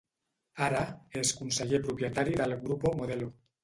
Ara, és conseller propietari del Grupo Modelo.